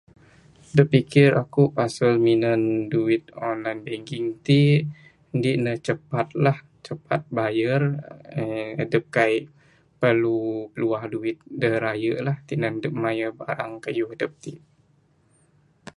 Da pasal aku pikir minan duit online banking ti, indi ne capat la capat bayer and adep kaik perlu pluah duit da raye lah tinan mayar barang kayuh adep ti.